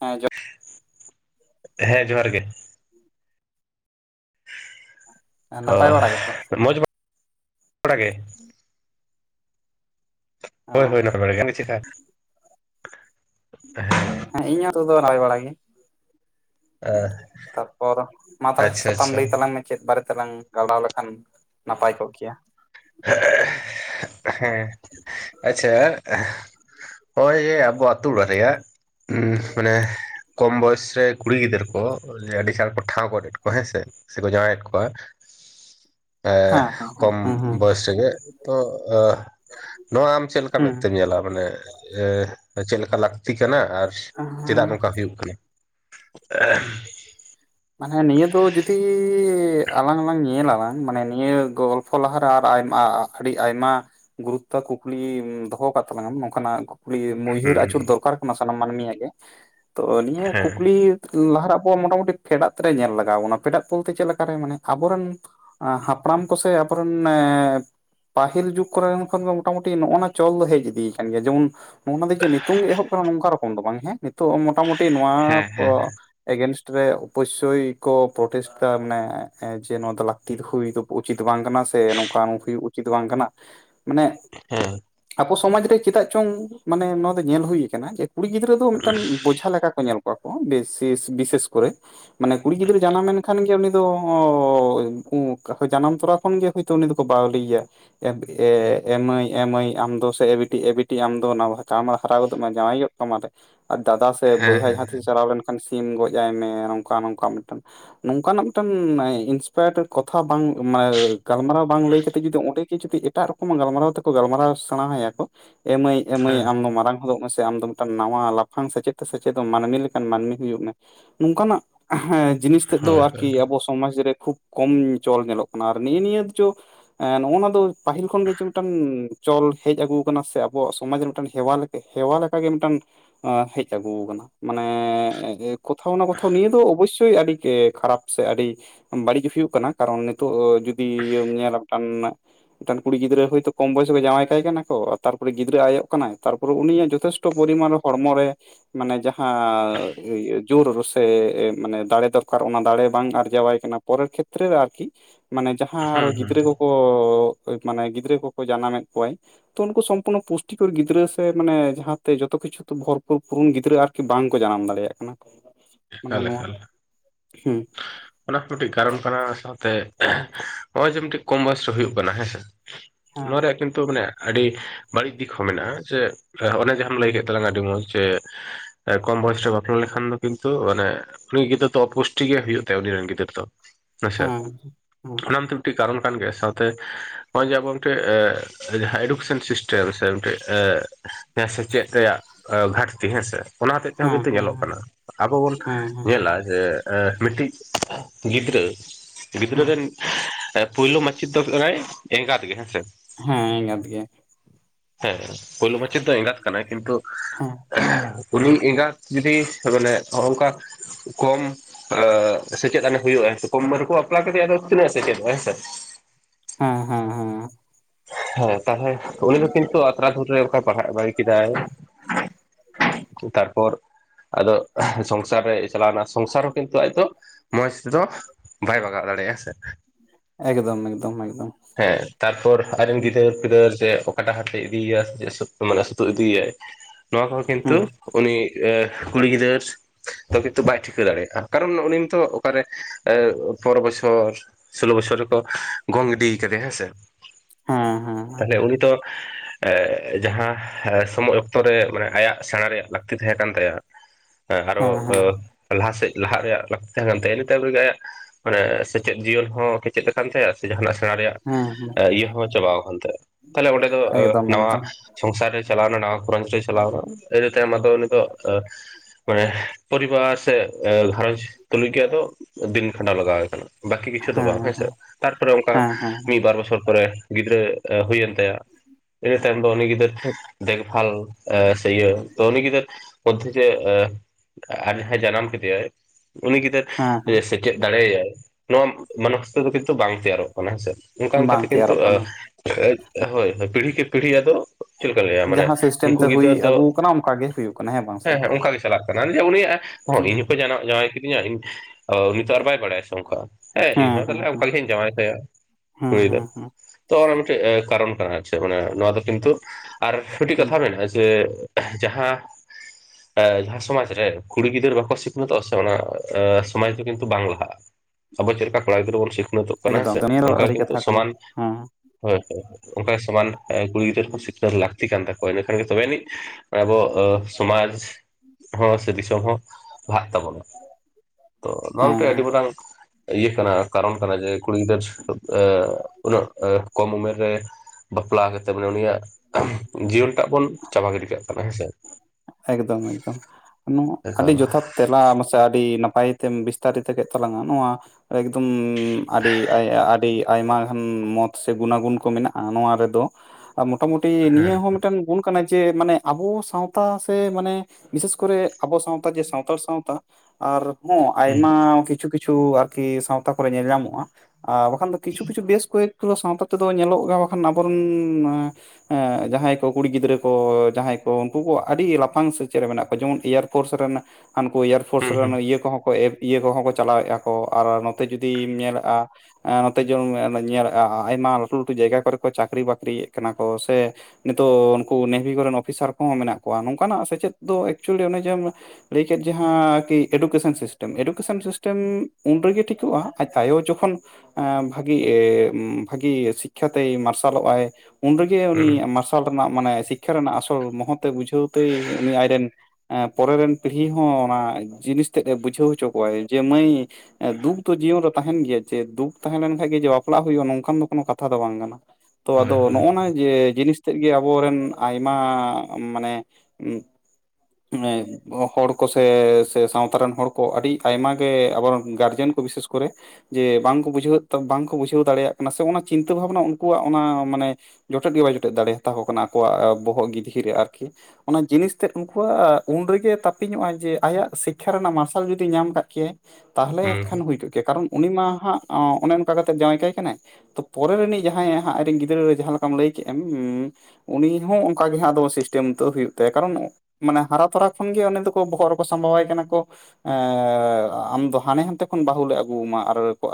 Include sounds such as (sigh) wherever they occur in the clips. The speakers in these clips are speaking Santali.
ᱦᱮᱸ ᱡᱚ ᱦᱮᱸ ᱡᱚᱦᱟᱨ ᱜᱮ᱾ (unintelligible) ᱚ ᱱᱟᱯᱟᱭ ᱵᱟᱲᱟ ᱜᱮᱛᱚ ᱢᱚᱸᱡᱽ ᱵᱟ ᱲᱟ ᱜᱮ, ᱚ ᱦᱳᱭ ᱦᱳᱭ (unintelligible) ᱪᱮᱠᱟ ᱦᱮᱸ ᱤᱧ ᱦᱚᱛᱚ ᱫᱚ ᱨᱟᱭ ᱵᱟᱲᱟ ᱜᱮ᱾ (unintelligible) ᱛᱟᱯᱚᱨ ᱢᱟ ᱛᱟᱦᱚᱞᱮ ᱟᱪᱪᱷᱟ ᱥᱟᱛᱟᱢ ᱟᱪᱪᱷᱟ ᱞᱟᱹᱭ ᱛᱟᱞᱟᱝ ᱢᱮ? ᱪᱮᱫ ᱵᱟᱨᱮ ᱛᱮᱞᱟᱝ ᱜᱟᱲᱟᱣ ᱞᱮᱠᱷᱟᱱ ᱱᱟᱯᱟᱭ ᱠᱚᱜ ᱠᱮᱭᱟ? (unintelligible) (unintelligible) ᱦᱮᱸ ᱟᱪᱪᱷᱟ ᱦᱳᱭ ᱟᱵᱚ ᱟᱛᱳ ᱚᱲᱟᱜ ᱨᱮᱭᱟᱜ ᱦᱩᱸ ᱢᱟᱱᱮ ᱠᱚᱢ ᱵᱚᱭᱮᱥ ᱨᱮ ᱠᱩᱲᱤ ᱜᱤᱫᱟᱹᱨᱟᱹ ᱠᱚ ᱟᱹᱰᱤ ᱪᱟᱲ ᱠᱚ ᱴᱷᱟᱶ ᱜᱚᱫᱮᱜ ᱠᱚᱣᱟ ᱦᱮᱸ ᱥᱮ ᱥᱮᱠᱚ ᱡᱟᱶᱟᱭᱮᱜ ᱠᱚᱣᱟ ᱮᱸ ᱦᱮᱸ ᱠᱚᱢ ᱦᱮᱸ ᱪᱮᱸᱜᱮᱜ ᱛᱚ ᱱᱚᱣᱟ ᱟᱢ ᱪᱮᱜ ᱞᱮᱠᱟ ᱦᱮᱸ ᱢᱮᱫ ᱛᱮᱢ ᱧᱮᱞᱟ ᱢᱟᱱᱮ ᱮᱸ ᱪᱮᱫ ᱞᱮᱠᱟ ᱞᱟᱹᱠᱛᱤ ᱠᱟᱱᱟ ᱟᱨ ᱦᱮᱸ ᱦᱮᱸ ᱪᱮᱫᱟᱜ ᱱᱚᱝᱠᱟ ᱦᱩᱭᱩᱜ ᱠᱟᱱᱟ? ᱢᱟᱱᱮ ᱱᱤᱭᱟᱹ ᱫᱚ ᱡᱩᱫᱤ ᱟᱞᱟᱝ ᱞᱟᱝ ᱧᱮᱞᱟᱞᱟᱝ ᱢᱟᱱᱮ ᱱᱤᱭᱟᱹ ᱜᱚᱞ ᱯᱷᱚ ᱞᱟᱦᱟᱨᱮ ᱟᱨ ᱟᱭᱢᱟ ᱟᱹᱰᱤ ᱟᱭᱢᱟ ᱜᱩᱨᱩᱛᱛᱚ ᱠᱩᱠᱞᱤ ᱫᱚᱦᱚ ᱟᱠᱟᱫ ᱛᱟᱞᱟᱝᱟ ᱱᱚᱝᱠᱟᱱᱟᱜ ᱠᱩᱠᱞᱤ ᱢᱩᱦᱩᱨ ᱦᱮᱸ ᱟᱹᱪᱩᱨ ᱫᱚᱨᱠᱟᱨ ᱠᱟᱱᱟ ᱥᱟᱱᱟᱢ ᱢᱟᱹᱱᱢᱤᱭᱟᱜ ᱜᱮ ᱛᱚ ᱱᱤᱭᱟᱹ ᱦᱮᱸ ᱠᱩᱠᱞᱤ ᱞᱟᱦᱟᱨᱮ ᱟᱵᱚ ᱢᱚᱴᱟᱢᱩᱴᱤ ᱯᱷᱮᱰᱟᱜ ᱨᱮ ᱧᱮᱞ ᱞᱟᱜᱟᱣ ᱵᱚᱱᱟ ᱯᱷᱮᱰᱟᱜ ᱵᱚᱞᱛᱮ ᱪᱮᱫ ᱞᱮᱠᱟᱨᱮ ᱢᱟᱱᱮ ᱟᱵᱚᱨᱮᱱ ᱟᱸ ᱦᱟᱯᱲᱟᱢ ᱠᱚᱥᱮ ᱟᱵᱚᱨᱮᱱ ᱮᱸ ᱯᱟᱦᱤᱞ ᱡᱩᱜᱽ ᱠᱚᱨᱮ ᱞᱮᱱᱠᱷᱟᱱ ᱫᱚ ᱢᱚᱴᱟᱢᱩᱴᱤ ᱱᱚᱜᱼᱱᱟ ᱪᱚᱞ ᱫᱚ ᱦᱮᱡ ᱤᱫᱤᱭ ᱠᱟᱱ ᱜᱮᱭᱟ ᱡᱮᱢᱚᱱ ᱦᱚᱜᱱᱟ ᱡᱮ ᱱᱤᱛᱚᱝ ᱜᱮ ᱮᱦᱚᱵ ᱟᱠᱟᱱᱟ ᱱᱚᱝᱠᱟ ᱨᱚᱠᱚᱢ ᱫᱚ ᱵᱟᱝ ᱦᱮᱸ ᱱᱤᱛᱚᱜ ᱢᱚᱴᱟᱢᱩᱴᱤ ᱴᱤ ᱱᱚᱣᱟ ᱦᱮᱸ ᱠᱳ ᱮᱜᱮᱱᱥᱴ ᱨᱮ ᱯᱚᱥᱥᱳᱭ ᱠᱚ ᱯᱨᱚᱴᱮᱥᱴ ᱫᱟ ᱢᱟᱱᱮ ᱡᱮ ᱱᱚᱣᱟ ᱫᱚ ᱞᱟᱹᱠᱛᱤ ᱦᱩᱭ ᱩᱪᱤᱛ ᱵᱟᱝ ᱠᱟᱱᱟ ᱥᱮ ᱱᱚᱝᱠᱟ-ᱱᱚᱝ ᱦᱩᱭᱩᱜ ᱩᱪᱤᱛ ᱵᱟᱝ ᱠᱟᱱᱟ᱾ (unintelligible) ᱢᱟᱱᱮ ᱦᱮᱸ ᱟᱵᱚ ᱥᱚᱢᱟᱡᱽ ᱨᱮ ᱪᱮᱫᱟᱜ ᱪᱚᱝ ᱢᱟᱱᱮ ᱱᱚᱣᱟ ᱫᱚ ᱧᱮᱞ ᱦᱩᱭ ᱠᱟᱱᱟ ᱡᱮ ᱠᱩᱲᱤ ᱜᱤᱫᱽᱨᱟᱹ ᱫᱚ ᱢᱤᱫᱴᱟᱝ ᱵᱳᱡᱷᱟ ᱞᱮᱠᱟ ᱠᱚ ᱧᱮᱞ ᱠᱚᱣᱟ ᱠᱚ ᱵᱮᱥ ᱵᱤᱥᱮᱥ ᱠᱚᱨᱮ᱾ ᱢᱟᱱᱮ ᱠᱩᱲᱤ ᱜᱤᱫᱽᱨᱟᱹ ᱡᱟᱱᱟᱢᱮᱱ ᱠᱷᱟᱱ ᱜᱮ ᱩᱱᱤ ᱫᱻᱚ ᱡᱟᱱᱟᱢ ᱛᱚᱨᱟ ᱠᱷᱚᱱ ᱜᱮ ᱦᱳᱭ ᱛᱚ ᱩᱱᱤ ᱫᱚᱠᱚ ᱵᱟᱣᱞᱤᱭ ᱮᱭᱟ᱾ ᱮ ᱢᱟᱹᱭ ᱮ ᱢᱟᱹᱭ ᱟᱢ ᱫᱚ ᱥᱮ ᱮ ᱵᱤᱴᱤ ᱮ ᱵᱤᱴᱤ ᱟᱢ ᱫᱚ ᱚᱱᱟ ᱦᱟᱛᱟᱣ ᱦᱟᱨᱟ ᱜᱚᱫᱚᱜ ᱢᱮ ᱡᱟᱶᱟᱭ ᱦᱩᱭᱩᱜ᱾ (unintelligible) ᱟᱞᱮ ᱟᱨ ᱫᱟᱫᱟ ᱥᱮ ᱦᱮᱸ ᱵᱚᱭᱦᱟ ᱦᱮᱸ ᱡᱟᱦᱟᱸ ᱛᱤᱥᱮ ᱪᱟᱞᱟᱣ ᱞᱮᱱᱠᱷᱟᱱ ᱥᱤᱢ ᱜᱚᱡ ᱟᱭ ᱢᱮ᱾ ᱱᱚᱝᱠᱟ ᱱᱚᱝᱠᱟ ᱢᱤᱫᱴᱮᱱ ᱱᱚᱝᱠᱟ ᱱᱟᱜ ᱢᱤᱫᱴᱮᱱ ᱤᱱᱥᱯᱟᱭᱟᱨ ᱠᱚᱛᱷᱟ ᱵᱟᱝ ᱢᱟᱱᱮ? ᱜᱟᱞᱢᱟᱨᱟᱣ ᱵᱟᱝ ᱞᱟᱹᱭ ᱠᱟᱛᱮᱫ ᱡᱩᱫᱤ ᱚᱸᱰᱮ ᱜᱮ ᱡᱩᱫᱤ ᱮᱴᱟᱜ ᱨᱚᱠᱚᱢᱟᱜ ᱜᱟᱞᱢᱟᱨᱟᱣ ᱛᱮᱠᱚ ᱜᱟᱞᱢᱟᱨᱟᱣ ᱥᱮᱲᱟᱭᱟ ᱠᱚ᱾ ᱮ ᱢᱟᱹᱭ ᱮ ᱢᱟᱹᱭ ᱦᱮᱸ ᱟᱢᱫᱚ ᱢᱟᱨᱟᱝ ᱦᱚᱫᱚᱜ ᱢᱮᱥᱮ ᱟᱢ ᱫᱚ ᱢᱤᱫᱴᱟᱝ ᱱᱟᱣᱟ ᱞᱟᱯᱷᱟᱝ ᱥᱮᱪᱮᱫ ᱛᱮ ᱥᱮᱪᱮᱫ ᱫᱚ ᱢᱟᱹᱱᱢᱤ ᱞᱮᱠᱟᱱ ᱢᱟᱹᱱᱢᱤ ᱦᱩᱭᱩᱜ ᱢᱮ ᱱᱚᱝᱠᱟ ᱱᱟᱜ ᱦᱮᱸ ᱡᱤᱱᱤᱥ ᱛᱮᱫ ᱫᱚ ᱦᱳᱭ ᱦᱳᱭ ᱟᱨᱠᱤ ᱟᱵᱚ ᱥᱚᱢᱟᱡᱽ ᱨᱮ ᱠᱷᱩᱵ ᱠᱚᱢ ᱪᱚᱞ ᱧᱮᱞᱚᱜ ᱠᱟᱱᱟ ᱟᱨ ᱱᱤᱭᱟᱹ ᱱᱤᱭᱟᱹ ᱪᱚ ᱱᱚᱜ-ᱱᱚᱣᱟ ᱫᱚ ᱯᱟᱹᱦᱤᱞ ᱠᱷᱚᱱ ᱜᱮ ᱪᱮᱫ ᱢᱤᱫᱴᱟᱝ ᱪᱚᱞ ᱦᱮᱡ ᱟᱹᱜᱩ ᱟᱠᱟᱱᱟ ᱥᱮ ᱟᱵᱚᱣᱟᱜ ᱥᱚᱢᱟᱡᱽ ᱨᱮ ᱢᱤᱫᱴᱟᱝ ᱦᱮᱣᱟ ᱞᱮ- ᱦᱮᱣᱟ ᱞᱮᱠᱟ ᱜᱮ ᱢᱤᱫᱴᱟᱝ ᱦᱮᱡ ᱟᱹᱜᱩ ᱟᱠᱟᱱᱟ ᱢᱟᱱᱮ ᱠᱚᱛᱷᱟ ᱱᱟ ᱠᱚᱛᱷᱟᱣ ᱱᱤᱭᱟᱹ ᱚᱵᱚᱥᱳᱭ ᱟᱹᱰᱤ ᱜᱮ ᱠᱷᱟᱨᱟᱯ ᱥᱮ ᱟᱹᱰᱤ ᱵᱟᱹᱲᱤᱡ ᱦᱩᱭᱩᱜ ᱠᱟᱱᱟ᱾ ᱠᱟᱨᱚᱱ ᱱᱤᱛᱚᱜ ᱡᱩᱫᱤ ᱤᱭᱟᱹᱢ ᱧᱮᱞᱟ ᱢᱤᱫᱴᱟᱱ ᱢᱤᱫᱴᱟᱱ ᱠᱩᱲᱤ ᱜᱤᱫᱽᱨᱟᱹ ᱦᱳᱭ ᱛᱳ ᱠᱚᱢ ᱵᱚᱭᱚᱥ ᱨᱮ ᱡᱟᱶᱟᱭ ᱠᱟᱭ ᱠᱟᱱᱟ ᱠᱚ᱾ ᱛᱟᱨᱯᱚᱨᱮ ᱜᱤᱫᱽᱨᱟᱹ ᱟᱭᱚᱜ ᱠᱟᱱᱟᱭ ᱛᱟᱯᱚᱨ ᱩᱱᱤᱭᱟᱜ ᱡᱚᱛᱷᱮᱥ- ᱴᱚ ᱯᱤᱢᱟᱱ ᱦᱚᱲᱢᱚ ᱨᱮ ᱢᱟᱱᱮ ᱡᱟᱦᱟᱸ ᱡᱳᱨ ᱨᱚᱥᱮ ᱢᱟᱱᱮ ᱫᱟᱲᱮ ᱫᱚᱨᱠᱟᱨ ᱚᱱᱟ ᱫᱟᱲᱮ ᱵᱟᱝ ᱟᱨᱡᱟᱣᱟᱭ ᱠᱟᱱᱟ ᱯᱚᱨᱮᱨ ᱠᱷᱮᱛᱨᱮ ᱨᱮ ᱟᱨᱠᱤ᱾ ᱢᱟᱱᱮ ᱡᱟᱦᱟᱸ ᱟᱨᱚ ᱦᱩᱸ ᱦᱩᱸ ᱜᱤᱫᱽᱨᱟᱹ ᱠᱚᱠᱚ ᱢᱟᱱᱮ ᱜᱤᱫᱽᱨᱟᱹ ᱠᱚᱠᱚ ᱡᱟᱱᱟᱢ ᱮᱫ ᱠᱚᱣᱟᱭ ᱛᱚ ᱩᱱᱠᱩ ᱥᱚᱢᱯᱩᱨᱱᱚ ᱯᱩᱥᱴᱤᱠᱚᱨ ᱜᱤᱫᱽᱨᱟᱹ ᱥᱮ ᱢᱟᱱᱮ ᱡᱟᱦᱟᱸᱛᱮ ᱡᱚᱛᱚ ᱠᱤᱪᱷᱩ ᱵᱷᱚᱨᱯᱩᱨ ᱯᱩᱨᱩᱱ ᱜᱤᱫᱽᱨᱟᱹ ᱟᱨ- ᱠᱤ ᱵᱟᱝ ᱠᱚ ᱡᱟᱱᱟᱢ ᱫᱟᱲᱮᱭᱟᱜ ᱠᱟᱱᱟ ᱠᱚ᱾ ᱢᱟᱱᱮ ᱮᱠᱟᱞ ᱱᱚᱣᱟ ᱮᱠᱟᱞ ᱦᱩᱸ, ᱚᱱᱟ ᱦᱚᱸ ᱢᱤᱫᱴᱤᱡ ᱠᱟᱨᱚᱱ ᱠᱟᱱᱟ ᱥᱟᱶᱛᱮ ᱱᱚᱜ-ᱚᱭ ᱡᱮ ᱢᱤᱫᱴᱤᱡ ᱠᱚᱢ ᱵᱚᱭᱮᱥ ᱨᱮ ᱦᱩᱭᱩᱜ ᱠᱟᱱᱟ ᱦᱮᱸᱥᱮ᱾ ᱦᱮᱸ ᱱᱚᱣᱟ ᱨᱮᱭᱟᱜ ᱠᱤᱱᱛᱩ ᱢᱟᱱᱮ ᱟᱹᱰᱤ ᱵᱟᱹᱲᱤᱡ ᱫᱤᱠ ᱦᱚᱸ ᱢᱮᱱᱟᱜ-ᱟ᱾ ᱡᱮ ᱚᱱᱮ ᱡᱟᱦᱟᱸ ᱟᱢ ᱞᱟᱹᱭ ᱠᱮᱫ ᱛᱟᱞᱟᱝ-ᱟ ᱟᱹᱰᱤ ᱢᱚᱸᱡᱽ ᱡᱮ ᱠᱚᱢ ᱵᱚᱭᱮᱥ ᱨᱮ ᱵᱟᱯᱞᱟ ᱞᱮᱠᱷᱟᱱ ᱫᱚ ᱠᱤᱱᱛᱩ ᱢᱟᱱᱮ ᱩᱱᱤ ᱜᱤᱫᱽᱨᱟᱹ ᱛᱚ ᱚᱯᱩᱥ- ᱴᱤ ᱜᱮ ᱦᱩᱭᱩᱜ ᱛᱟᱭᱟ ᱩᱱᱤ ᱨᱮᱱ ᱜᱤᱫᱟᱹᱨ ᱫᱚ᱾ ᱱᱮᱥᱮ ᱦᱮᱸ ᱚᱱᱟᱢ ᱠᱤᱱ- ᱴᱤ ᱠᱟᱨᱚᱱ ᱠᱟᱱ ᱜᱮᱭᱟ ᱥᱟᱶᱛᱮ ᱱᱚᱜ-ᱚᱭ ᱡᱮ ᱟᱵᱚ ᱢᱤᱫᱴᱮᱡ ᱮ ᱡᱟᱦᱟᱸ ᱮᱰᱩᱠᱮᱥᱚᱱ ᱥᱤᱥᱴᱮᱢ ᱥᱮ ᱢᱤᱫᱴᱮᱡ ᱡᱟᱦᱟᱸ ᱥᱮᱪᱮᱫ ᱨᱮᱭᱟᱜ ᱜᱷᱟᱴᱛᱤ ᱦᱮᱸᱥᱮ᱾ ᱚᱱᱟ ᱦᱚᱛᱮᱜ ᱛᱮᱦᱚᱸ ᱦᱮᱸ ᱠᱤᱱᱛᱩ ᱦᱮᱸ ᱧᱮᱞᱚᱜ ᱠᱟᱱᱟ ᱟᱵᱚ ᱵᱚᱱ ᱦᱮᱸ ᱦᱮᱸ ᱧᱮᱞᱟ ᱡᱮ ᱢᱤᱫᱴᱤᱡ ᱜᱤᱫᱽᱨᱟᱹ, ᱜᱤᱫᱽᱨᱟᱹ ᱦᱮᱸ ᱨᱮᱱ ᱯᱩᱭᱞᱳ ᱢᱟᱪᱮᱫ ᱫᱚ ᱠᱟᱱᱟᱭ ᱮᱸᱜᱟᱛ ᱜᱮ ᱦᱮᱸᱥᱮ᱾ ᱦᱮᱸ ᱮᱸᱜᱟᱛ ᱜᱮ᱾ ᱦᱮᱸ ᱯᱳᱭᱞᱳ ᱢᱟᱪᱮᱛ ᱫᱚ ᱮᱸᱜᱟᱛ ᱠᱟᱱᱟ ᱠᱤᱱᱛᱩ? ᱦᱮᱸ ᱩᱱᱤ ᱮᱸᱜᱟᱛ ᱡᱩᱫᱤ ᱢᱟᱱᱮ ᱱᱚᱜ-ᱚᱝᱠᱟ ᱠᱚᱢ ᱥᱮᱪᱮᱫ ᱟᱱ ᱦᱩᱭᱩᱜ-ᱟ ᱦᱮᱸᱥᱮ ᱠᱚᱢ ᱩᱢᱮᱨ ᱨᱮᱠᱚ ᱵᱟᱯᱞᱟ ᱠᱮᱫᱮᱭᱟ ᱟᱫᱚ ᱛᱤᱱᱟᱹᱜ ᱮ ᱥᱮᱪᱮᱫᱚᱜ-ᱟ ᱦᱮᱸᱥᱮ᱾ ᱦᱮᱸ ᱦᱮᱸ ᱦᱮᱸ ᱦᱚᱸ ᱛᱟᱦᱚᱞᱮ ᱩᱱᱤ ᱫᱚ ᱠᱤᱱᱛᱩ ᱟᱛᱨᱟ ᱫᱷᱩᱨ ᱨᱮ ᱚᱱᱠᱟ ᱯᱟᱲᱦᱟᱜ ᱮ ᱵᱟᱹᱜᱤ ᱠᱮᱫᱟᱭ᱾ ᱛᱟᱨᱯᱚᱨ ᱟᱫᱚ ᱥᱚᱝᱥᱟᱨ ᱨᱮ ᱪᱟᱞᱟᱣᱱᱟ ᱥᱚᱝᱥᱟᱨ ᱦᱚᱸ ᱠᱤᱱᱛᱩ ᱟᱡ ᱛᱚ ᱢᱚᱡᱽ ᱛᱮᱫᱚ ᱵᱟᱭ ᱵᱟᱜᱟᱣ ᱫᱟᱲᱮᱭᱟᱜ-ᱟ ᱦᱮᱸᱥᱮ᱾ ᱮᱠᱫᱚᱢ ᱮᱠᱫᱚᱢ ᱮᱠᱫᱚᱢ᱾ ᱟᱡᱨᱮ ᱨᱮᱱ ᱦᱮᱸ ᱜᱤᱫᱟᱹᱨ-ᱯᱤᱫᱟᱹᱨ ᱡᱮ ᱚᱠᱟ ᱰᱟᱦᱟᱨ ᱛᱮᱭ ᱤᱫᱤᱭ ᱮᱭᱟ ᱥᱮ ᱢᱟᱱᱮ ᱥᱩᱛᱩᱜ ᱤᱫᱤᱭᱟᱭ᱾ ᱱᱚᱣᱟ ᱠᱚᱦᱚᱸ ᱠᱤᱱᱛᱩ ᱦᱮᱸ ᱩᱱᱤ ᱠᱩᱲᱤ ᱜᱤᱫᱟᱹᱨ ᱛᱚ ᱠᱤᱱᱛᱩ ᱵᱟᱭ ᱴᱷᱤᱠᱟᱹ ᱫᱟᱲᱮᱭᱟᱜ-ᱟ᱾ ᱠᱟᱨᱚᱱ ᱩᱱᱤ ᱱᱤᱛᱚᱜ ᱚᱠᱟᱨᱮ ᱯᱚᱨᱮᱨ ᱵᱚᱪᱷᱚᱨ ᱥᱳᱞᱳ ᱵᱚᱪᱷᱚᱨ ᱨᱮ ᱠᱚ ᱜᱚᱝ ᱤᱫᱤ ᱠᱟᱫᱮᱭᱟ ᱦᱮᱸ ᱥᱮ᱾ ᱦᱮᱸ ᱦᱮᱸ ᱛᱟᱦᱚᱞᱮ ᱩᱱᱤ ᱛᱚ ᱮᱸ ᱡᱟᱦᱟᱸ ᱥᱳᱢᱳᱭ ᱚᱠᱛᱚ ᱨᱮ ᱢᱟᱱᱮ ᱟᱭᱟᱜ ᱥᱮᱬᱟ ᱨᱮᱭᱟᱜ ᱞᱟᱹᱠᱛᱤ ᱛᱟᱦᱮᱸ ᱠᱟᱱ ᱛᱟᱭᱟ ᱮᱸ ᱟᱨᱚ ᱦᱮᱸ ᱞᱟᱦᱟ ᱥᱮᱫ ᱞᱟᱦᱟᱜ ᱨᱮᱭᱟᱜ ᱞᱟᱹᱠᱛᱤ ᱛᱟᱦᱮᱸ ᱠᱟᱱ ᱛᱟᱭᱟ ᱤᱱᱟᱹ ᱛᱟᱭᱚᱢ ᱨᱮᱜᱮ ᱟᱭᱟᱜ ᱢᱟᱱᱮ ᱥᱮᱪᱮᱫ ᱡᱤᱭᱚᱱ ᱦᱚᱸ ᱠᱮᱪᱮᱫ ᱟᱠᱟᱱ ᱛᱟᱭᱟ, ᱥᱮ ᱡᱟᱦᱟᱱᱟᱜ ᱥᱮᱬᱟ ᱨᱮᱭᱟᱜ ᱦᱩᱸ ᱦᱩᱸ ᱪᱟᱵᱟᱣᱟᱠᱟᱱ ᱛᱟᱭᱟ ᱛᱟᱞᱦᱮ ᱚᱸᱰᱮ ᱫᱚ ᱱᱟᱣᱟ ᱮᱠᱫᱚᱢ ᱥᱚᱝᱥᱟᱨ ᱨᱮ ᱪᱟᱞᱟᱣᱱᱟ (unintelligible) ᱪᱟᱞᱟᱣᱱᱟ ᱤᱱᱟᱹ ᱛᱟᱭᱚᱢ ᱟᱫᱚ ᱩᱱᱤ ᱫᱚ ᱢᱟᱱᱮ ᱯᱚᱨᱤᱵᱟᱨ ᱥᱮ ᱮᱸ ᱜᱷᱟᱨᱚᱸᱡᱽ (unintelligible) ᱫᱚ ᱫᱤᱱ ᱠᱷᱟᱸᱰᱟᱣ ᱞᱟᱜᱟᱣᱮ ᱠᱟᱱᱟ ᱵᱟᱠᱤ ᱠᱤᱪᱷᱩ ᱫᱚ ᱦᱮᱸ ᱵᱟᱝ ᱦᱮᱸᱥᱮ ᱦᱮᱸ ᱛᱟᱨᱯᱚᱨᱮ ᱚᱝᱠᱟ ᱦᱮᱸ ᱦᱮᱸ ᱢᱤᱫ ᱵᱟᱨ ᱵᱚᱪᱷᱚᱨ ᱯᱚᱨᱮ ᱜᱤᱫᱽᱨᱟᱹ ᱦᱩᱭᱮᱱ ᱛᱟᱭᱟ ᱤᱱᱟᱹ ᱛᱟᱭᱚᱢ ᱫᱚ ᱩᱱᱤ ᱜᱤᱫᱟᱹᱨ ᱴᱷᱤᱠ ᱫᱮᱠ ᱵᱷᱟᱞ ᱥᱮ ᱤᱭᱟᱹ ᱛᱚ ᱩᱱᱤ ᱜᱤᱫᱟᱹᱨ ᱢᱚᱫᱫᱷ ᱡᱮ ᱟᱡ ᱡᱟᱦᱟᱸᱭ ᱡᱟᱱᱟᱢ ᱠᱮᱫᱮᱭᱟᱭ ᱩᱱᱤ ᱜᱤᱫᱟᱹᱨ ᱦᱮᱸ ᱥᱮᱪᱮᱫ ᱫᱟᱲᱮᱭᱟᱭᱟᱭ ᱱᱚᱣᱟ ᱢᱟᱱᱚᱥ ᱛᱮᱫᱚ ᱠᱤᱱᱛᱩ ᱵᱟᱝ ᱛᱮᱭᱟᱨᱚᱜ ᱠᱟᱱᱟ ᱦᱮᱸᱥᱮ᱾ ᱚᱝᱠᱟ ᱦᱮᱸ ᱵᱟᱝ ᱚᱝᱠᱟᱛᱮ ᱠᱤᱱᱛᱩ ᱛᱮᱭᱟᱨᱚᱜ ᱠᱟᱱᱟ ᱮᱸ ᱦᱳᱭ ᱦᱳᱭ ᱯᱤᱲᱦᱤ ᱠᱮ ᱯᱤᱲᱦᱤ ᱟᱫᱚ ᱪᱮᱫᱞᱮᱠᱟᱧ ᱞᱟᱹᱭᱟ ᱢᱟᱱᱮ ᱡᱟᱦᱟᱸ ᱥᱤᱥᱴᱮᱢ ᱩᱝᱠᱩ ᱛᱮ ᱦᱩᱭ ᱜᱤᱫᱟᱹᱨ ᱫᱚ ᱟᱹᱜᱩ ᱠᱟᱱᱟ ᱚᱱᱠᱟ ᱜᱮ ᱦᱩᱭᱩᱜ ᱠᱟᱱᱟ ᱵᱟᱝ ᱥᱮ ᱦᱮᱸ ᱦᱮᱸ ᱚᱝᱠᱟ ᱜᱮ ᱪᱟᱞᱟᱜ ᱠᱟᱱᱟ ᱦᱟᱱᱮ ᱡᱮ ᱩᱱᱤᱭᱟᱜ ᱠᱚᱦᱚ ᱦᱮᱸ ᱤᱧ ᱦᱚᱸᱠᱚ ᱡᱟᱱᱟᱣ ᱡᱟᱶᱟᱭ ᱠᱤᱫᱤᱧᱟ ᱤᱧ ᱩᱱᱤᱛᱚ ᱟᱨ ᱵᱟᱭ ᱵᱟᱲᱟᱭᱟ ᱥᱮ ᱚᱝᱠᱟ ᱦᱮᱸ ᱤᱧ ᱦᱚᱸ ᱛᱟᱞᱦᱮ ᱚᱝᱠᱟ (unintelligible) ᱡᱟᱶᱟᱭ ᱠᱟᱭᱟ ᱦᱮᱸ ᱦᱮᱸ (unintelligible) ᱦᱮᱸ ᱛᱚ ᱚᱱᱟ ᱢᱤᱫᱴᱤᱡ ᱠᱟᱨᱚᱱ ᱠᱟᱱᱟ ᱟᱨ ᱪᱮᱫ ᱱᱚᱣᱟ ᱫᱚ ᱠᱤᱱᱛᱩ ᱟᱨ ᱢᱤᱫᱴᱤᱡ ᱠᱟᱛᱷᱟ ᱢᱮᱱᱟᱜ-ᱟ ᱡᱮ ᱡᱟᱦᱟᱸ ᱮᱸ ᱡᱟᱦᱟᱸ ᱥᱚᱢᱟᱡᱽ ᱨᱮ ᱠᱩᱲᱤ ᱜᱤᱫᱟᱹᱨ ᱵᱟᱠᱚ ᱥᱤᱠᱷᱱᱟᱹᱛᱚᱜ-ᱟ ᱥᱮ ᱚᱱᱟ ᱥᱚᱢᱟᱡ ᱫᱚ ᱠᱤᱱᱛᱩ ᱵᱟᱝ ᱞᱟᱦᱟᱜ-ᱟ ᱟᱵᱚ ᱪᱮᱫ ᱞᱮᱠᱟ ᱠᱚᱲᱟ ᱜᱤᱫᱽᱨᱟᱹ ᱵᱚᱱ ᱥᱤᱠᱷ ᱱᱟᱹᱛᱚᱜ ᱠᱟᱱᱟ ᱮᱠᱫᱚᱢ ᱦᱮᱸᱥᱮ ᱱᱤᱭᱟᱹ ᱫᱚ ᱚᱝᱠᱟ ᱥᱟᱹᱨᱤ ᱠᱤᱱᱛᱩ ᱠᱟᱛᱷᱟ ᱠᱟᱱᱟ ᱥᱚᱢᱟᱱ ᱦᱮᱸ ᱦᱳᱭ ᱦᱳᱭ ᱚᱝᱠᱟ ᱜᱮ ᱥᱚᱢᱟᱱ ᱠᱩᱲᱤ ᱜᱤᱫᱟᱹᱨ ᱦᱚᱸ ᱥᱤᱠᱷᱱᱟᱹᱛ ᱞᱟᱹᱠᱛᱤ ᱠᱟᱱ ᱛᱟᱠᱚᱣᱟ ᱤᱱᱟᱹ ᱠᱷᱟᱱ ᱜᱮ ᱛᱚᱵᱮ ᱱᱤᱡ ᱟᱵᱚ ᱥᱚᱢᱟᱡᱽ ᱦᱚᱸ ᱥᱮ ᱫᱤᱥᱚᱢ ᱦᱚᱸ ᱞᱟᱦᱟᱜ ᱛᱟᱵᱚᱱᱟ ᱛᱚ ᱱᱚᱣᱟ ᱦᱮᱸ ᱢᱤᱫᱴᱟᱝ ᱟᱹᱰᱤ ᱦᱮᱸ ᱢᱟᱨᱟᱝ ᱤᱭᱟᱹ ᱠᱟᱱᱟ ᱠᱟᱨᱚᱱ ᱠᱟᱱᱟ ᱡᱮ ᱠᱩᱲᱤ ᱜᱤᱫᱟᱹᱨ ᱮᱸ ᱩᱱᱟᱹᱜ ᱠᱚᱢ ᱩᱢᱮᱨ ᱨᱮ ᱵᱟᱯᱞᱟ ᱠᱟᱛᱮᱜ ᱢᱟᱱᱮ ᱩᱱᱤᱭᱟᱜ ᱡᱤᱭᱚᱱ ᱴᱟᱜ ᱵᱚᱱ ᱪᱟᱵᱟ ᱜᱤᱰᱤ ᱠᱟᱜ ᱠᱟᱱᱟ ᱦᱮᱸᱥᱮ᱾ ᱮᱠᱫᱚᱢ ᱮᱠᱫᱚᱢ ᱱᱚᱣᱟ ᱟᱹᱰᱤ ᱮᱠᱟᱞ ᱡᱚᱛᱷᱟᱛ ᱛᱮᱞᱟ ᱢᱟᱥᱮ ᱟᱹᱰᱤ ᱱᱟᱯᱟᱭ ᱛᱮᱢ ᱵᱤᱥᱛᱟᱨᱤᱛᱚ ᱠᱮᱫ ᱛᱟᱞᱟᱝᱟ ᱱᱚᱣᱟ ᱮᱠᱫᱚᱢ ᱟᱹᱰᱤ ᱟᱭ ᱟᱹᱰᱤ ᱟᱭᱢᱟ ᱜᱟᱱ ᱢᱚᱛ ᱥᱮ ᱜᱩᱱᱟᱹ ᱜᱩᱱ ᱠᱚ ᱢᱮᱱᱟᱜ-ᱟ ᱱᱚᱣᱟ ᱨᱮᱫᱚ ᱟᱨ ᱢᱚᱴᱟ ᱢᱩᱴᱤ ᱱᱤᱭᱟᱹ ᱦᱮᱸ ᱦᱚᱸ ᱢᱤᱫᱴᱮᱱ ᱜᱩᱱ ᱠᱟᱱᱟ ᱡᱮ ᱢᱟᱱᱮ ᱟᱵᱚ ᱥᱟᱶ ᱛᱟ ᱥᱮ ᱢᱟᱱᱮ ᱵᱤᱥᱮᱥ ᱠᱚᱨᱮ ᱟᱵᱚ ᱥᱟᱶᱛᱟ ᱡᱮ ᱥᱟᱱᱛᱟᱲ ᱥᱟᱶᱛᱟ ᱟᱨ ᱦᱚᱸ ᱦᱩᱸ ᱟᱭᱢᱟ ᱠᱤᱪᱷᱩ ᱠᱤᱪᱷᱩ ᱟᱨᱠᱤ ᱥᱟᱶᱛᱟ ᱠᱚᱨᱮ ᱧᱮᱞ ᱧᱟᱢᱚᱜ-ᱟ᱾ ᱟᱨ ᱵᱟᱠᱷᱟᱱ ᱫᱚ ᱠᱤᱪᱷᱩ ᱠᱤᱪᱷᱩ ᱵᱮᱥ ᱠᱚᱭᱮᱠ ᱜᱩᱞᱟᱹ ᱥᱟᱶᱛᱟ ᱛᱮᱫᱚ ᱧᱮᱞᱚᱜ ᱜᱟ ᱵᱟᱠᱷᱟᱱ ᱟᱵᱚᱨᱮᱱ ᱡᱟᱦᱟᱸᱭ ᱠᱚ ᱠᱩᱲᱤ ᱜᱤᱫᱽᱨᱟᱹ ᱠᱚ ᱡᱟᱦᱟᱸᱭ ᱠᱚ ᱠᱩ ᱠᱚ ᱟᱹᱰᱤ ᱞᱟᱯᱷᱟᱝ ᱥᱮᱪᱮᱫ ᱨᱮ ᱢᱮᱱᱟᱜ ᱠᱚᱣᱟ ᱡᱚᱢᱚᱱ ᱮᱭᱟᱨ ᱯᱷᱳᱨᱥ ᱨᱮᱱ ᱦᱟᱱᱠᱩ ᱮᱭᱟᱨ ᱯᱷᱳᱨᱥ ᱨᱮᱱ ᱦᱩᱸ ᱤᱭᱟᱹ ᱠᱚᱦᱚᱸ ᱠᱚ ᱤᱭᱟᱹ ᱠᱚᱦᱚᱸ ᱠᱚ ᱪᱟᱞᱟᱣᱮᱜ-ᱟ ᱠᱚ ᱟᱨ ᱱᱚᱛᱮ ᱡᱩᱫᱤᱢ ᱧᱮᱞᱟᱜ-ᱟ ᱮᱸ ᱱᱚᱛᱮ ᱡᱚᱢᱚᱱ ᱧᱮᱞ ᱟᱭᱢᱟ ᱞᱟᱹᱴᱩ ᱞᱟᱹᱴᱩ ᱡᱟᱭᱜᱟ ᱠᱚᱨᱮ ᱠᱚ ᱪᱟᱹᱠᱨᱤ ᱵᱟᱹᱠᱨᱤᱭᱮᱫ ᱠᱟᱱᱟ ᱠᱚ ᱥᱮ ᱱᱮᱛᱳᱜ ᱩᱱᱠᱩ ᱱᱮᱵᱷᱤ ᱠᱚᱨᱮᱱ ᱚᱯᱷᱤᱥᱟᱨ ᱠᱚᱦᱚᱸ ᱢᱮᱱᱟᱜ ᱠᱚᱣᱟ ᱱᱚᱝᱠᱟᱱᱟᱜ ᱥᱮᱪᱮᱫ ᱫᱚ ᱮᱠᱪᱩᱭᱞᱤ ᱚᱱᱮ ᱡᱮ ᱞᱟᱹᱭ ᱠᱮᱫ ᱡᱟᱦᱟᱸ ᱠᱤ ᱮᱰᱩᱠᱮᱥᱮᱱ ᱥᱤᱥᱴᱮᱢ ᱮᱰᱩᱠᱮᱥᱮᱱ ᱥᱤᱥᱴᱮᱢ ᱩᱱ ᱨᱮᱜᱮ ᱴᱷᱤᱠᱚᱜ-ᱟ ᱟᱡ ᱟᱭᱳ ᱡᱚᱠᱷᱚᱱ ᱮᱸ ᱵᱷᱟᱹᱜᱤ ᱵᱷᱟᱹᱜᱤ ᱥᱤᱠᱷᱟᱛᱮᱭ ᱢᱟᱨᱥᱟᱞᱚᱜᱟᱭ᱾ ᱩᱱᱨᱮᱜᱮ ᱩᱱᱤ ᱦᱩᱸ ᱢᱟᱨᱥᱟᱞ ᱨᱮᱱᱟᱜ ᱢᱟᱱᱮ ᱥᱤᱠᱷᱟ ᱨᱮᱱᱟᱜ ᱟᱥᱚᱞ ᱢᱚᱦᱚᱛᱮ ᱵᱩᱡᱷᱟᱹᱣ ᱛᱮ ᱩᱱᱤ ᱟᱡᱨᱮᱱ ᱯᱚᱨᱮᱨᱮᱱ ᱯᱤᱲᱦᱤ ᱦᱚᱸ ᱚᱱᱟ ᱡᱤᱱᱤᱥ ᱛᱮᱫᱮ ᱵᱩᱡᱷᱟᱹᱣ ᱦᱚᱪᱚ ᱠᱚᱣᱟᱭ ᱡᱮ ᱢᱟᱹᱭ ᱫᱩᱠ ᱫᱚ ᱡᱤᱭᱚᱱ ᱨᱮ ᱛᱟᱦᱮᱱ ᱜᱮᱭᱟ ᱡᱮ ᱫᱩᱠ ᱛᱟᱦᱮᱸ ᱞᱮᱱᱠᱷᱟᱡ ᱜᱮ ᱡᱮ ᱵᱟᱯᱞᱟᱜ ᱦᱳᱭᱳᱜ-ᱟ ᱱᱚᱝᱠᱟᱱ ᱫᱚ ᱠᱚᱱᱚ ᱠᱟᱛᱷᱟ ᱫᱚ ᱵᱟᱝ ᱠᱟᱱᱟ᱾ ᱛᱚ ᱦᱳᱭ ᱟᱫᱚ ᱦᱳᱭ ᱱᱚᱜᱚᱱᱟ ᱡᱮ ᱡᱤᱱᱤᱥ ᱛᱮᱫ ᱜᱮ ᱟᱵᱚᱨᱮᱱ ᱟᱭᱢᱟ ᱢᱟᱱᱮ (inaudible) ᱦᱚᱲ ᱠᱚ ᱥᱮ ᱥᱟᱶᱛᱟ ᱨᱮᱱ ᱦᱚᱲ ᱠᱚ ᱟᱹᱰᱤ ᱟᱭᱢᱟ ᱜᱮ ᱟᱵᱚ ᱨᱮᱱ ᱜᱟᱨᱡᱮᱱ ᱠᱚ ᱵᱤᱥᱮᱥ ᱠᱚᱨᱮ ᱡᱮ ᱵᱟᱝ ᱠᱚ ᱵᱩᱡᱷᱟᱹᱣ ᱮᱫ ᱛᱟᱵ ᱥᱮ ᱵᱟᱝ ᱠᱚ ᱵᱩᱡᱷᱟᱹᱣ ᱫᱟᱲᱮᱭᱟᱜ ᱠᱟᱱᱟ ᱥᱮ ᱚᱱᱟ ᱪᱤᱱᱛᱟᱹ ᱵᱷᱟᱵᱱᱟ ᱩᱱᱠᱩᱣᱟᱜ ᱚᱱᱟ ᱢᱟᱱᱮ ᱡᱚᱴᱮᱫ ᱜᱮ ᱵᱟᱭ ᱡᱚᱴᱮᱫ ᱫᱟᱲᱮᱭ ᱟᱛᱟᱠᱚ ᱠᱟᱱᱟ ᱟᱠᱚᱣᱟᱜ ᱵᱚᱦᱚᱜ ᱜᱤᱫᱷᱤᱨᱮ ᱟᱨᱠᱤ ᱚᱱᱟ ᱡᱤᱱᱤᱥ ᱛᱮᱫ ᱩᱱᱠᱩᱣᱟᱜ ᱩᱱᱨᱮᱜᱮ ᱛᱟᱹᱯᱤᱧᱚᱜᱼᱟ ᱡᱮ ᱟᱭᱟᱜ ᱥᱤᱠᱠᱷᱟ ᱨᱮᱱᱟᱜ ᱢᱟᱨᱥᱟᱞ ᱡᱩᱫᱤ ᱧᱟᱢ ᱠᱟᱜ ᱠᱮᱭᱟᱭ ᱛᱟᱦᱚᱞᱮ ᱦᱩᱸ ᱠᱷᱟᱱ ᱦᱩᱭ ᱠᱚᱜ ᱠᱮᱭᱟ, ᱠᱟᱨᱚᱱ ᱩᱱᱤ ᱢᱟ ᱦᱟᱸᱜ ᱚᱱᱮ ᱚᱱᱠᱟ ᱠᱟᱛᱮᱜ ᱡᱟᱶᱟᱭ ᱠᱟᱭ ᱠᱟᱱᱟᱭ ᱛᱚ ᱯᱚᱨᱮ ᱨᱮᱱᱤᱡ ᱡᱟᱦᱟᱸᱭ ᱦᱟᱸᱜ ᱟᱡᱨᱮᱱ ᱜᱤᱫᱽᱨᱟᱹ ᱨᱮ ᱡᱟᱦᱟᱸ ᱞᱮᱠᱟᱢ ᱞᱟᱹᱭ ᱠᱮᱫ ᱮᱢ ᱩᱱᱤ ᱦᱚᱸ ᱚᱱᱠᱟ ᱜᱮ ᱦᱟᱸᱜ ᱟᱫᱚ ᱥᱤᱥᱴᱮᱢ ᱫᱚ ᱦᱩᱭᱩᱜ ᱛᱟᱭᱟ ᱠᱟᱨᱚᱱ ᱢᱟᱱᱮ ᱦᱟᱨᱟ ᱛᱚᱨᱟ ᱠᱷᱚᱱ ᱜᱮ ᱩᱱᱤ ᱫᱚᱠᱚ ᱵᱚᱦᱚᱜ ᱨᱮᱠᱚ ᱥᱟᱢᱵᱟᱣᱟᱭ ᱠᱟᱱᱟ ᱠᱚ ᱮᱻ ᱟᱢ ᱫᱚ ᱦᱟᱱᱮ ᱦᱟᱱᱛᱮ ᱠᱷᱚᱱ ᱵᱟᱹᱦᱩ ᱞᱮ ᱟᱹᱜᱩᱣᱟᱢᱟ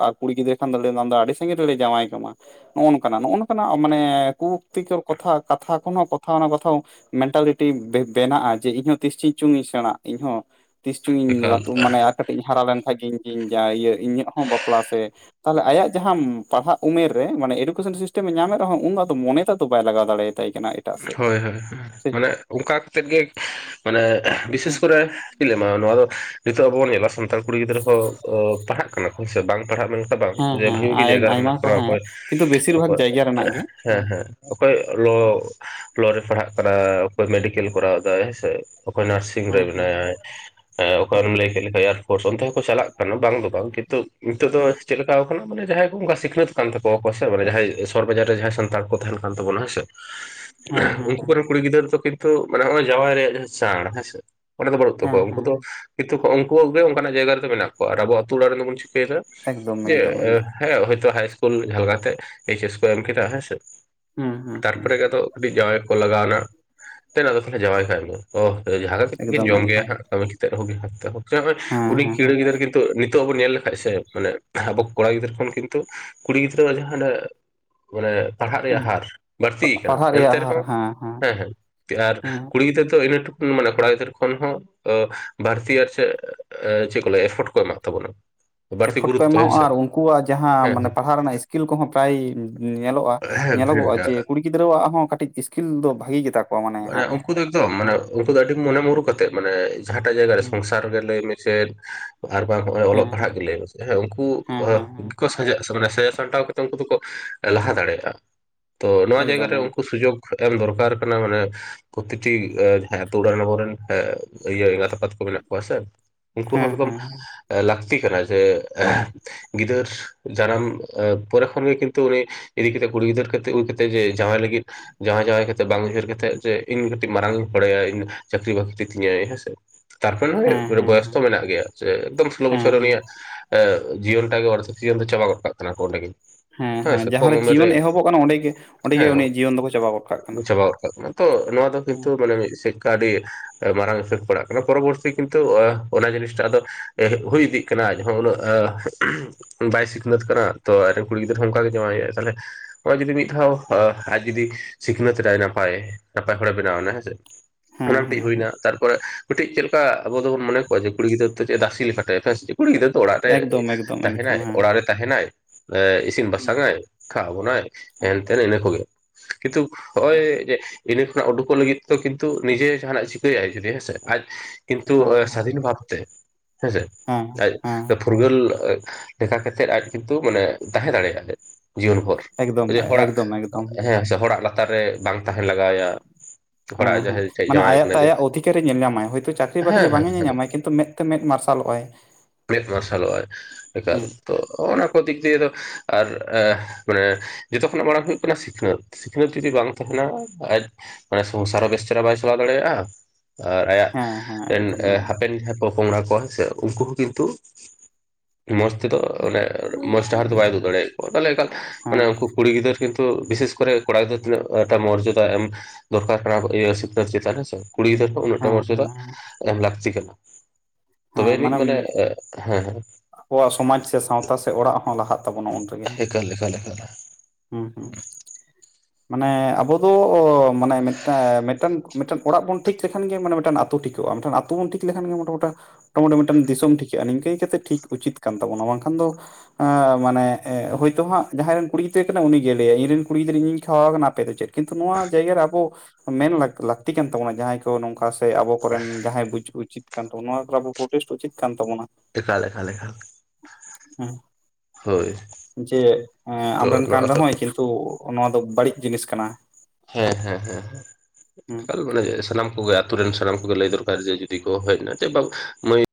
ᱟᱨ ᱠᱩᱲᱤ ᱜᱤᱫᱽᱨᱟᱹ ᱠᱷᱟᱱ ᱫᱚ (unintelligible) ᱫᱚ ᱟᱹᱰᱤ ᱥᱟᱺᱜᱤᱧ ᱨᱮᱞᱮ ᱡᱟᱶᱟᱭ ᱠᱟᱢᱟ᱾ ᱱᱚᱜᱼᱚᱭ ᱱᱚᱝᱠᱟᱱᱟᱜ ᱱᱚᱜᱼ ᱱᱚᱝᱠᱟᱱᱟᱜ ᱢᱟᱱᱮ (unintelligible) ᱠᱟᱛᱷᱟ (unintelligible) ᱠᱚᱦᱚᱸ ᱠᱟᱛᱷᱟ ᱚᱱᱟ ᱠᱟᱛᱷᱟ ᱢᱮᱱᱴᱟᱞᱤᱴᱤ ᱵᱮᱱᱟᱜᱼᱟ ᱡᱮ ᱤᱧᱦᱚᱸ ᱛᱤᱥ ᱪᱚ ᱪᱩᱝ ᱤᱧ ᱥᱮᱬᱟᱜ ᱤᱧᱦᱚᱸ ᱛᱤᱥ ᱪᱩᱝ ᱤᱧ ᱮᱠᱟᱞ ᱞᱟᱹᱴᱩ ᱢᱟᱱᱮ ᱟᱨ ᱠᱟᱹᱴᱤᱡ ᱤᱧ ᱦᱟᱨᱟ ᱞᱮᱱᱠᱷᱟᱡ ᱜᱮ ᱤᱧ ᱤᱧ ᱤᱭᱟᱹ ᱤᱧᱟᱹᱜ ᱦᱚᱸ ᱵᱟᱯᱞᱟ ᱥᱮᱼᱼ ᱛᱟᱦᱚᱞᱮ ᱟᱭᱟᱜ ᱡᱟᱦᱟᱸ ᱯᱟᱲᱦᱟᱜ ᱩᱢᱮᱨ ᱨᱮ ᱢᱟᱱᱮ ᱮᱰᱩᱠᱮᱥᱮᱱ ᱥᱤᱥᱴᱮᱢ ᱮ ᱧᱟᱢᱮᱫ ᱨᱮᱦᱚᱸ ᱩᱱᱫᱚ ᱟᱫᱚ ᱢᱚᱱᱮ ᱵᱟᱭ ᱞᱟᱜᱟᱣ ᱫᱟᱲᱮ ᱟᱛᱟᱭ ᱠᱟᱱᱟᱭ᱾ ᱦᱳᱭ ᱦᱳᱭ ᱢᱟᱱᱮ ᱚᱱᱠᱟ ᱠᱟᱛᱮᱫ ᱜᱮ ᱢᱟᱱᱮ ᱵᱤᱥᱮᱥ ᱠᱚᱨᱮᱼᱼ ᱪᱮᱫ ᱤᱧ ᱞᱟᱹᱭ ᱟᱢᱟ ᱱᱚᱣᱟ ᱫᱚ ᱱᱤᱛᱚᱜ ᱟᱵᱚ ᱵᱚᱱ ᱧᱮᱞᱟ ᱥᱟᱱᱛᱟᱲ ᱠᱩᱲᱤ ᱜᱤᱫᱽᱨᱟᱹ ᱦᱚᱸ ᱯᱟᱲᱦᱟᱜ ᱠᱟᱱᱟ ᱥᱮ ᱵᱟᱝ ᱯᱟᱲᱦᱟᱜ ᱨᱮᱱᱟᱜ ᱢᱮᱱᱠᱷᱟᱱ ᱵᱟᱝ ᱦᱮᱸ ᱵᱷᱟᱜᱤ ᱦᱮᱸ ᱵᱷᱟᱜᱤ ᱟᱭ ᱡᱟᱭᱜᱟ ᱨᱮ ᱟᱭᱢᱟ ᱢᱮᱱᱟᱜ ᱠᱚ ᱠᱚᱣᱟ ᱦᱮᱸ ᱚᱠᱚᱭ ᱠᱤᱱᱛᱩ ᱵᱮᱥᱤᱨ ᱵᱷᱟᱜᱽ ᱚᱠᱚᱭ ᱡᱟᱭᱜᱟ ᱨᱮᱱᱟᱜ ᱜᱮ ᱦᱮᱸ ᱦᱮᱸ ᱚᱠᱚᱭ ᱞᱚ ᱞᱚ ᱨᱮ ᱯᱟᱲᱦᱟᱜ ᱠᱟᱱᱟ ᱚᱠᱚᱭ ᱢᱮᱰᱤᱠᱮᱞ ᱠᱚᱨᱟᱣ ᱫᱟᱭ ᱥᱮ ᱚᱠᱚᱭ ᱱᱟᱨᱥᱤᱝᱼᱼ ᱨᱮ ᱦᱮᱸ ᱦᱮᱸ ᱢᱮᱱᱟᱭᱟ ᱦᱮᱸ ᱚᱠᱟᱨᱮᱢ ᱞᱟᱹᱭ ᱠᱮᱫ ᱞᱮᱠᱟ ᱮᱭᱟᱨᱯᱷᱳᱨᱥ ᱚᱱᱛᱮ ᱦᱚᱸᱠᱚ ᱪᱟᱞᱟᱜ ᱠᱟᱱᱟ ᱵᱟᱝ ᱫᱚ ᱵᱟᱝ ᱠᱤᱱᱛᱩᱼᱼ ᱱᱤᱛᱚᱜ ᱫᱚ ᱪᱮᱫ ᱞᱮᱠᱟ (inaudible) ᱡᱟᱦᱟᱸᱭ ᱠᱚ ᱚᱱᱠᱟ ᱥᱤᱠᱷᱱᱟᱹᱛ ᱠᱟᱱ ᱛᱟᱠᱚᱣᱟ ᱠᱚ ᱢᱟᱱᱮ ᱡᱟᱦᱟᱸᱭ ᱥᱚᱦᱚᱨ ᱵᱟᱡᱟᱨ ᱨᱮ ᱡᱟᱦᱟᱸᱭ ᱥᱟᱱᱛᱟᱲ ᱠᱚ ᱛᱟᱦᱮᱱ ᱠᱟᱱ ᱛᱟᱵᱚᱱᱟ ᱦᱮᱸ ᱥᱮ ᱦᱮᱸ ᱦᱮᱸ ᱩᱱᱠᱩ ᱦᱮᱸ ᱠᱚᱨᱮᱱ ᱠᱩᱲᱤ ᱜᱤᱫᱟᱹᱨ ᱫᱚ ᱠᱤᱱᱛᱩ ᱢᱟᱱᱮ ᱦᱚᱸᱜᱼᱚᱭ ᱡᱟᱶᱟᱭ ᱨᱮᱭᱟᱜ ᱡᱟᱦᱟᱸ ᱪᱟᱬ ᱦᱮᱸᱥᱮ ᱚᱱᱟ ᱫᱚ ᱵᱟᱹᱱᱩᱜ ᱦᱮᱸ ᱛᱟᱠᱚᱣᱟ, ᱩᱱᱠᱩ ᱦᱮᱸ ᱫᱚ ᱠᱤᱱᱛᱩ ᱩᱱᱠᱩ ᱜᱮ ᱚᱱᱠᱟᱱᱟᱜ ᱡᱟᱭᱜᱟ ᱨᱮᱫᱚ ᱢᱮᱱᱟᱜ ᱠᱚᱣᱟ, ᱟᱨ ᱟᱵᱚ ᱟᱛᱳ ᱚᱲᱟᱜ ᱨᱮᱱ ᱫᱚᱵᱚᱱ ᱪᱤᱠᱟᱹᱭ ᱫᱟ ᱮᱠᱫᱚᱢ ᱮᱠᱫᱚᱢ ᱡᱮ ᱮᱠᱫᱚᱢ ᱦᱮᱸ ᱦᱳᱭ ᱛᱚ ᱦᱟᱭ ᱤᱥᱠᱩᱞ ᱢᱤᱫ ᱰᱷᱟᱣ ᱠᱟᱛᱮ ᱮᱭᱤ ᱪᱮᱥ ᱠᱚ ᱮᱢ ᱠᱮᱫᱟ ᱦᱮᱸᱥᱮ ᱦᱩᱸ ᱦᱩᱸ ᱛᱟᱨᱯᱚᱨᱮ ᱜᱮ ᱟᱫᱚ ᱠᱟᱹᱴᱤᱡ ᱡᱟᱶᱟᱭ ᱠᱚ ᱞᱟᱜᱟᱣ ᱱᱟ ᱫᱮᱱ ᱟᱫᱚ ᱛᱟᱦᱞᱮ ᱡᱟᱶᱟᱭ ᱠᱟᱭ ᱢᱮ, ᱳᱦ ᱡᱟᱦᱟᱸ ᱠᱟᱛᱮ ᱜᱮᱠᱤᱱ ᱮᱠᱫᱚᱢ ᱡᱚᱢ ᱜᱮᱭᱟ ᱮᱠᱫᱚᱢ ᱦᱟᱸᱜ᱾ ᱠᱟᱹᱢᱤ ᱠᱟᱛᱮᱫ ᱨᱮᱦᱚᱸ ᱡᱟᱦᱟᱸ ᱠᱟᱛᱮᱫ ᱨᱮᱦᱚᱸ ᱦᱮᱸ ᱩᱱᱤ ᱦᱮᱸ ᱦᱮᱸ (unintelligible) ᱱᱤᱛᱚᱜ ᱵᱚᱱ ᱧᱮᱞ ᱞᱮᱠᱷᱟᱡ ᱥᱮ ᱢᱟᱱᱮ ᱟᱵᱚ ᱠᱚᱲᱟ ᱜᱤᱫᱽᱨᱟᱹ ᱠᱷᱚᱱ ᱠᱤᱱᱛᱩ ᱠᱩᱲᱤ ᱜᱤᱫᱽᱨᱟᱹᱣᱟᱜ ᱡᱟᱦᱟᱸᱱᱟᱜᱼᱼ ᱢᱟᱱᱮ ᱯᱟᱲᱦᱟᱜ ᱨᱮᱭᱟᱜ ᱦᱟᱨ ᱵᱟᱹᱲᱛᱤ ᱟᱠᱟᱱᱟ᱾ ᱯᱟᱲᱦᱟᱜ ᱨᱮᱭᱟᱜ ᱮᱱᱛᱮ ᱦᱟᱨ ᱨᱮᱦᱚᱸ ᱦᱮᱸ ᱦᱮᱸ ᱦᱮᱸ ᱟᱨ ᱠᱩᱲᱤ ᱜᱤᱫᱽᱨᱟᱹ ᱫᱚ ᱤᱱᱟᱹ ᱴᱩ ᱢᱟᱱᱮ ᱠᱚᱲᱟ ᱜᱤᱫᱟᱹᱨ ᱠᱷᱚᱱ ᱦᱚᱸ ᱵᱷᱟᱲᱛᱤᱭᱟ ᱥᱮ ᱪᱮᱫ ᱠᱚ ᱞᱟᱹᱭᱟ ᱮᱯᱷᱳᱴ ᱠᱚ ᱮᱢᱟ ᱟᱛᱟᱵᱚᱱᱟ᱾ ᱮᱯᱷᱳᱴ ᱠᱚ ᱮᱢᱟᱣᱟᱜᱼᱟ ᱟᱨ ᱩᱱᱠᱩᱣᱟᱜ ᱡᱟᱦᱟᱸ ᱦᱮᱸ ᱢᱟᱱᱮ ᱦᱮᱸ ᱯᱟᱲᱦᱟᱜ ᱨᱮᱱᱟᱜ ᱤᱥᱠᱤᱞ ᱠᱚᱦᱚᱸ ᱯᱨᱟᱭ ᱧᱮᱞᱚᱜᱼᱟ ᱧᱮᱞᱚᱜᱚᱜᱼᱟ ᱡᱮ ᱠᱩᱲᱤ (unintelligible) ᱜᱤᱫᱽᱨᱟᱹᱣᱟᱜ ᱦᱚᱸ ᱠᱟᱹᱴᱤᱡ ᱤᱥᱠᱤᱞ ᱫᱚ ᱵᱷᱟᱹᱜᱤ ᱜᱮᱛᱟ ᱠᱚᱣᱟ ᱢᱟᱱᱮ ᱦᱟᱸᱜ ᱩᱱᱠᱩ ᱫᱚ ᱮᱠᱫᱚᱢ ᱢᱟᱱᱮ ᱦᱮᱸ ᱩᱱᱠᱩ ᱫᱚ ᱟᱹᱰᱤ ᱢᱚᱱᱮ ᱢᱩᱨᱩ ᱠᱟᱛᱮᱜ ᱢᱟᱱᱮ ᱡᱟᱦᱟᱸᱴᱟᱜ ᱡᱟᱭᱜᱟ ᱨᱮ ᱥᱚᱝᱥᱟᱨ ᱜᱮ ᱞᱟᱹᱭ ᱢᱮ ᱥᱮ ᱟᱨ ᱵᱟᱝ ᱦᱚᱜ-ᱚᱭ ᱚᱞᱚᱜ ᱦᱮᱸ ᱯᱟᱲᱦᱟᱜ ᱦᱮᱸ ᱜᱮ ᱞᱟᱹᱭ ᱢᱮᱥᱮ ᱩᱱᱠᱩ ᱦᱮᱸ ᱦᱮᱸ ᱦᱚᱸ ᱦᱮᱸ ᱦᱮᱸ ᱢᱟᱱᱮ ᱥᱟᱡᱟᱣ ᱥᱟᱢᱴᱟᱣ ᱠᱟᱛᱮ ᱩᱱᱠᱩ ᱫᱚᱠᱚ ᱞᱟᱦᱟ ᱫᱟᱲᱮᱭᱟᱜᱼᱟ ᱛᱚ ᱱᱚᱣᱟ ᱡᱟᱭᱜᱟ ᱨᱮ ᱮᱠᱫᱚᱢ ᱮᱠᱫᱚᱢ ᱩᱱᱠᱩ ᱥᱩᱡᱳᱜᱽ ᱮᱢ ᱫᱚᱨᱠᱟᱨ ᱠᱟᱱᱟ ᱢᱟᱱᱮ ᱯᱨᱚᱛᱮᱠ ᱴᱤ ᱡᱟᱦᱟ ᱟᱛᱩ ᱚᱲᱟᱜ ᱨᱮᱱ ᱦᱚᱲ ᱨᱮᱱ ᱤᱭᱟᱹ ᱮᱸᱜᱟᱛ ᱟᱯᱟᱛ ᱠᱚ ᱢᱮᱱᱟᱜ ᱠᱚᱣᱟ ᱥᱮ ᱩᱱᱠᱩ ᱦᱚᱸ ᱦᱮᱸ ᱮᱠᱫᱚᱢ ᱦᱮᱸ ᱞᱟᱹᱠᱛᱤ ᱠᱟᱱᱟ ᱡᱮ ᱜᱤᱫᱟᱹᱨ ᱫᱟᱨᱟᱢ ᱯᱚᱨᱮ ᱠᱷᱚᱱ ᱜᱮ ᱠᱤᱱᱛᱩ ᱩᱱᱤ ᱤᱫᱤ ᱠᱟᱛᱮᱫ ᱠᱩᱲᱤ ᱜᱤᱫᱟᱹᱨ (inaudible) ᱦᱩᱭ ᱠᱟᱛᱮ ᱜᱮ ᱡᱟᱶᱟᱭ ᱞᱟᱹᱜᱤᱫ ᱡᱟᱶᱟᱭ ᱡᱟᱶᱟᱭ ᱠᱟᱛᱮᱫ ᱵᱟᱝ ᱩᱭᱦᱟᱹᱨ ᱠᱟᱛᱮᱫᱼᱼ ᱡᱮ ᱤᱧ ᱠᱟᱹᱴᱤᱡ ᱢᱟᱨᱟᱝ ᱦᱚᱲ ᱟᱭᱟ ᱤᱧ ᱪᱟᱹᱠᱨᱤ ᱵᱟᱹᱠᱨᱤ ᱛᱤᱧᱟᱹᱭ ᱦᱮᱸᱥᱮ᱾ ᱛᱟᱨᱯᱚᱨ ᱱᱟᱜ ᱦᱮᱸ ᱦᱮᱸ ᱦᱚᱭ ᱦᱮᱸ ᱵᱚᱭᱚᱥ ᱛᱚ ᱢᱮᱱᱟᱜ ᱜᱮᱭᱟ᱾ ᱥᱮ ᱮᱠᱫᱚᱢ ᱥᱳᱞᱳ ᱦᱮᱸ ᱵᱚᱪᱷᱚᱨ ᱦᱮᱸ ᱩᱱᱤᱭᱟᱜ ᱡᱤᱭᱚᱱ ᱴᱟᱜ ᱜᱮ ᱚᱨᱫᱷᱮᱜ ᱡᱤᱭᱚᱱ ᱫᱚ ᱪᱟᱵᱟ ᱜᱚᱫ ᱠᱟᱜ ᱠᱟᱱᱟ ᱠᱚ ᱚᱸᱰᱮ ᱜᱮ᱾ ᱦᱮᱸ ᱦᱮᱸ᱾ ᱥᱮ ᱠᱚᱢ ᱡᱟᱦᱟᱸᱨᱮ ᱩᱢᱮᱨ ᱨᱮ ᱡᱤᱭᱚᱱ ᱮᱦᱚᱵᱚᱜ ᱠᱟᱱᱟ ᱚᱸᱰᱮ ᱜᱮ ᱚᱸᱰᱮ ᱜᱮ ᱦᱮᱸ ᱩᱱᱤᱭᱟᱜ ᱡᱤᱭᱚᱱ ᱫᱚᱠᱚ ᱪᱟᱵᱟ ᱜᱚᱫ ᱠᱟᱜ ᱠᱟᱱᱟ᱾ (unintelligible) ᱛᱚ ᱱᱚᱣᱟ ᱫᱚ ᱠᱤᱱᱛᱩ ᱢᱟᱱᱮ ᱢᱤᱫ ᱥᱮᱫ ᱠᱟ ᱟᱹᱰᱤ ᱮ ᱢᱟᱨᱟᱝ ᱮᱯᱷᱮᱠᱴ ᱯᱟᱲᱟᱜ ᱠᱟᱱᱟ᱾ ᱯᱚᱨᱚᱵᱚᱨᱛᱤ ᱠᱤᱱᱛᱩ ᱚᱱᱟ ᱡᱤᱱᱤᱥᱴᱟᱜ ᱫᱚ ᱦᱩᱭ ᱤᱫᱤᱜ ᱠᱟᱱᱟ ᱟᱡ ᱦᱚᱸ ᱩᱱᱟᱹᱜ ᱟ ᱵᱟᱭ ᱥᱤᱠᱷᱱᱟᱹᱛ ᱠᱟᱱᱟ ᱛᱚ ᱟᱡ ᱨᱮᱱ ᱠᱩᱲᱤ ᱜᱤᱫᱽᱨᱟᱹ ᱦᱚᱸ ᱚᱱᱠᱟ ᱜᱮ ᱡᱟᱣᱟᱭᱚᱜ-ᱟᱭ ᱛᱟᱞᱦᱮ᱾ ᱦᱚᱸ-ᱚᱭ ᱡᱩᱫᱤ ᱢᱤᱫ ᱫᱷᱟᱣ ᱟ ᱟᱡ ᱡᱩᱫᱤ ᱥᱤᱠᱷᱱᱟᱹᱛ ᱮᱱᱟᱭ ᱱᱟᱯᱟᱭ᱾ ᱱᱟᱯᱟᱭ ᱦᱚᱲᱮ ᱵᱮᱱᱟᱣᱮᱱᱟ ᱦᱮᱸᱥᱮ ᱦᱮᱸ ᱚᱱᱟ ᱦᱮᱸ ᱢᱤᱫᱴᱤᱡ ᱦᱮᱸ ᱦᱩᱭᱱᱟ ᱛᱟᱨᱯᱚᱨᱮ ᱠᱟᱹᱴᱤᱡ ᱪᱮᱫ ᱞᱮᱠᱟ ᱟᱵᱚ ᱫᱚᱵᱚᱱ ᱢᱚᱱᱮ ᱠᱚᱣᱟ ᱡᱮ ᱠᱩᱤ ᱜᱤᱫᱹᱨᱟ ᱫᱚ ᱪᱮᱫ ᱫᱟᱥᱤ ᱞᱮᱠᱟ ᱴᱟᱭᱤᱯ ᱦᱮᱸ ᱥᱮ ᱪᱮᱫ᱾ ᱠᱩᱲᱤ ᱜᱤᱫᱽᱨᱟ ᱫᱚ ᱚᱲᱟᱜ ᱨᱮ ᱮᱠᱫᱚᱢ ᱮᱠᱫᱚᱢ ᱮᱠᱫᱚᱢ ᱛᱟᱦᱮᱱᱟᱭ, ᱦᱮᱸ ᱚᱲᱟᱜ ᱨᱮ ᱛᱟᱦᱮᱱᱟᱭ ᱮ ᱤᱥᱤᱱ ᱵᱟᱥᱟᱝᱟᱭ, ᱠᱷᱟᱣᱟ ᱵᱚᱱᱟᱭ ᱦᱮᱸ ᱦᱮᱱ-ᱛᱮᱱ ᱮᱱᱟᱹ ᱠᱚᱜᱮ᱾ ᱠᱤᱱᱛᱩ ᱦᱚᱜ-ᱚᱭ ᱡᱮ ᱤᱱᱟᱹ ᱠᱷᱚᱱᱟᱜ ᱩᱰᱩᱠᱚᱜ ᱞᱟᱹᱜᱤᱫ ᱛᱮ ᱫᱚ ᱠᱤᱱᱛᱩ ᱱᱤᱡᱮ ᱡᱟᱦᱟᱱᱟᱜ ᱪᱤᱠᱟᱹᱭᱟᱭ ᱡᱩᱫᱤ ᱦᱮᱸᱥᱮ ᱟᱡ ᱠᱤᱱᱛᱩ ᱮ ᱦᱮᱸ ᱥᱟᱹᱫᱷᱤᱱ ᱵᱷᱟᱵᱛᱮ ᱦᱮᱸ ᱥᱮ ᱦᱮᱸ ᱟᱡ ᱦᱮᱸ ᱯᱷᱩᱨᱜᱟᱹᱞ ᱞᱮᱠᱟ ᱠᱟᱛᱮᱜ ᱟᱡ ᱠᱤᱱᱛᱩ ᱢᱟᱱᱮ ᱛᱟᱦᱮᱸ ᱫᱟᱲᱮᱭᱟᱜ ᱟᱞᱮ᱾ ᱡᱤᱭᱚᱱ ᱵᱷᱚᱨ᱾ ᱮᱠᱫᱚᱢ ᱡᱮ ᱦᱚᱲᱟᱜ ᱮᱠᱫᱚᱢ ᱮᱠᱫᱚᱢ ᱦᱮᱸ ᱥᱮ ᱦᱚᱲᱟᱜ ᱞᱟᱛᱟᱨ ᱨᱮ ᱵᱟᱝ ᱛᱟᱦᱮᱱ ᱞᱟᱜᱟᱭᱮᱭᱟ᱾ ᱦᱮᱸ ᱦᱮᱸ᱾ ᱢᱟᱱᱮ ᱟᱭᱟᱜ ᱛᱮ ᱟᱭᱟᱜ ᱚᱫᱷᱤᱠᱮᱨᱮ ᱧᱮᱞ ᱧᱟᱢᱟᱭ, ᱦᱳᱭᱛᱳ ᱪᱟᱹᱠᱨᱤ-ᱵᱟᱹᱠᱨᱤ ᱦᱮᱸ ᱵᱟᱝ ᱦᱮᱸ ᱮ ᱧᱮᱞ ᱧᱟᱢᱟᱭ ᱠᱤᱱᱛᱩ ᱢᱮᱫ ᱛᱮ ᱢᱮᱫ ᱢᱟᱨᱥᱟᱞᱚᱜᱼᱟᱭ᱾ ᱢᱮᱫ ᱢᱟᱨᱥᱟᱞᱚᱜᱼᱟᱭ ᱮᱠᱟᱞ᱾ ᱦᱮᱸ ᱛᱚ ᱦᱚᱱᱟ ᱠᱚ ᱫᱤᱠ ᱫᱤᱭᱮ ᱫᱚ ᱟᱨ ᱮ ᱢᱟᱱᱮ ᱡᱚᱛᱚ ᱠᱷᱚᱱᱟᱜ ᱢᱟᱲᱟᱝ ᱦᱩᱭᱩᱜ ᱠᱟᱱᱟ ᱥᱤᱠᱷᱱᱟᱹᱛ᱾ ᱥᱤᱠᱷᱱᱟᱹᱛ ᱡᱩᱫᱤ ᱵᱟᱝ ᱛᱟᱦᱮᱱᱟ ᱟᱡ ᱢᱟᱱᱮ ᱥᱚᱝᱥᱟᱨ ᱦᱚᱸ ᱵᱮᱥ ᱪᱮᱦᱨᱟ ᱵᱟᱭ ᱪᱟᱞᱟᱣ ᱫᱟᱲᱮᱭᱟᱜᱼᱟ᱾ ᱟᱨ ᱟᱭᱟᱜ ᱦᱮᱸ ᱦᱮᱸ ᱮᱱ ᱮᱠᱫᱚᱢ ᱮ ᱮᱠᱫᱚᱢ ᱦᱟᱯᱮᱱ ᱡᱟᱦᱟᱸᱭ ᱯᱚ-ᱯᱚᱝᱲᱟ ᱠᱚᱣᱟ ᱥᱮ ᱩᱱᱠᱩ ᱦᱚᱸ ᱠᱤᱱᱛᱩ ᱢᱚᱡᱽ ᱛᱮ ᱫᱚ ᱚᱱᱮ ᱢᱚᱡᱽ ᱰᱟᱦᱟᱨ ᱫᱚ ᱵᱟᱭ ᱩᱫᱩᱜ ᱫᱟᱲᱮᱭᱟ ᱠᱚᱣᱟ ᱛᱟᱦᱚᱞᱮ ᱮᱠᱟᱞ ᱢᱟᱱᱮ ᱦᱮᱸ ᱩᱱᱠᱩ ᱠᱩᱲᱤ ᱜᱤᱫᱽᱟᱹᱨ ᱠᱤᱱᱛᱩ ᱵᱤᱥᱮᱥ ᱠᱚᱨᱮ ᱠᱚᱲᱟ ᱜᱤᱫᱽᱨᱟᱹ ᱛᱤᱱᱟᱹᱜᱴᱟ ᱢᱳᱨᱡᱟᱫᱟ ᱮᱢ ᱫᱚᱨᱠᱟᱨ ᱠᱟᱱᱟ ᱤᱭᱟᱹ ᱥᱤᱠᱷᱱᱟᱹᱛ ᱪᱮᱛᱟᱱ ᱦᱮᱸ ᱥᱮᱺ ᱠᱩᱲᱤ ᱜᱤᱫᱽᱟᱹᱨ ᱩᱱᱟᱹᱜᱴᱟ ᱦᱮᱸ ᱢᱚᱨᱡᱟ ᱦᱮᱸ ᱮᱢ ᱞᱟᱹᱠᱛᱤ ᱠᱟᱱᱟ ᱛᱚᱵᱮ ᱟᱹᱱᱤᱡ ᱢᱟᱱᱮ ᱦᱮᱸ ᱦᱮᱸ ᱟᱵᱩᱣᱟᱜ ᱥᱚᱢᱟᱡᱽ ᱥᱮ ᱥᱟᱶᱛᱟ ᱥᱮ ᱚᱲᱟᱜ ᱦᱚᱸ ᱞᱟᱦᱟᱜ ᱛᱟᱵᱩᱱᱟ ᱩᱱ᱾ ᱨᱮᱜᱮ ᱤᱠᱟᱞ ᱮᱠᱟᱞ ᱮᱠᱟᱞ ᱮᱠᱥᱞᱟ ᱦᱩᱸ ᱦᱩᱸ ᱩᱸᱦ᱾ ᱢᱟᱱᱮ ᱟᱵᱚ ᱫᱚ ᱢᱟᱱᱮᱴᱟᱝ ᱢᱤᱫᱴᱟᱱ ᱢᱮᱫᱴᱟᱱ ᱚᱲᱟᱜ ᱵᱩᱱ ᱴᱷᱤᱠ ᱞᱮᱠᱷᱟᱱ ᱜᱮ ᱢᱟᱱᱮ ᱢᱤᱫᱟᱴᱱ ᱟᱛ ᱛᱩ ᱴᱤᱠᱚᱜᱼᱟ᱾ ᱢᱮᱱᱠᱷᱟᱱ ᱟᱹᱛᱩ ᱵᱩᱢ ᱴᱤᱠᱷ ᱞᱮᱠᱷᱟᱱ ᱜᱮ ᱢᱚᱴᱟᱢᱩᱴᱤ ᱢᱚᱴᱟᱢᱩᱴᱤ ᱢᱤᱫᱴᱟᱱ ᱫᱤᱥᱚᱢ ᱴᱷᱤᱠᱟᱹᱜᱼᱟ ᱱᱤᱝᱠᱟᱹ ᱤᱠᱟᱹᱛᱮ ᱴᱷᱤᱠ ᱩᱪᱤᱛ ᱠᱟᱱ ᱛᱟᱵᱩᱱᱟ ᱵᱟᱝ ᱠᱷᱟᱱ ᱫᱚ ᱟᱸ ᱢᱟᱱᱮ ᱮ ᱦᱳᱭᱛᱳ ᱦᱟᱸᱜ ᱡᱟᱦᱟᱸᱭ ᱨᱮᱱ ᱠᱩᱲᱤ ᱜᱤᱫᱽᱨᱟᱹ ᱠᱟᱱᱟᱭ ᱩᱱᱤ ᱜᱮ ᱞᱟᱹᱭᱟᱭ᱾ ᱤᱧ ᱨᱮᱱ ᱠᱩᱲᱤ ᱜᱤᱫᱽᱨᱟᱹ ᱤᱧᱼᱤᱧ ᱠᱷᱟᱣᱟᱣᱮ ᱟᱠᱟᱱᱟ ᱟᱯᱮ ᱫᱚ ᱪᱮᱫ᱾ ᱠᱤᱱᱛᱩ ᱱᱚᱣᱟ ᱡᱟᱭᱜᱟ ᱨᱮ ᱟᱵᱚ ᱢᱮᱱ ᱞᱟᱠ ᱞᱟᱹᱠᱛᱤ ᱠᱟᱱ ᱛᱟᱵᱩᱱᱟ ᱡᱟᱦᱟᱸᱭ ᱛᱚ ᱱᱚᱝᱠᱟ ᱥᱮ ᱟᱵᱚ ᱠᱚᱨᱮᱱ ᱡᱟᱦᱟᱸᱭ ᱵᱩᱡ ᱩᱪᱤᱛ ᱠᱟᱱ ᱛᱟᱵᱩᱱᱟ ᱱᱚᱣᱟ ᱠᱚᱨᱮ ᱟᱵᱚ ᱯᱨᱴᱮᱥᱴ ᱩᱪᱤᱛ ᱠᱟᱱ ᱛᱟᱵᱩᱱᱟ᱾ ᱮᱠᱟᱞ ᱮᱠᱟᱞ ᱮᱠᱷᱟᱞ᱾ ᱡᱮ ᱮᱸ ᱛᱚ ᱟᱢᱨᱮᱱ ᱠᱟᱱ ᱱᱚᱣᱟ ᱫᱚ ᱨᱮᱦᱚᱸᱭ ᱠᱤᱱ ᱛᱩ ᱱᱚᱣᱟ ᱫᱚ ᱵᱟᱹᱲᱤᱡ ᱡᱤᱱᱤᱥ ᱠᱟᱱᱟ᱾ ᱦᱮᱸ ᱦᱮᱸ ᱦᱮᱸ ᱦᱮᱸ᱾ ᱦᱮᱸ ᱮᱠᱟᱞ ᱢᱟᱱᱮ ᱥᱟᱱᱟᱢ ᱠᱚᱜᱮ ᱟᱨ ᱟᱛᱩ ᱨᱮᱱ ᱥᱟᱱᱟᱢ ᱠᱚ ᱜᱮ ᱞᱟᱹᱭ ᱫᱚᱨᱠᱟᱨ ᱡᱮ ᱡᱩᱫᱤ ᱠᱚ ᱦᱮᱜᱱᱟ ᱡᱮ ᱵᱟᱝ ᱢᱟᱹᱭ